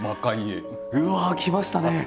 うわあきましたね。